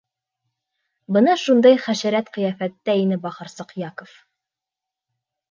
Бына шундай хәшәрәт ҡиәфәттә ине бахырсыҡ Яков.